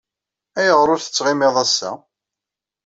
Ayɣer ur tettɣimiḍ ass-a?